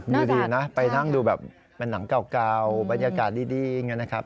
ดูดีนะไปนั่งดูแบบเป็นหนังเก่าบรรยากาศดีอย่างนี้นะครับ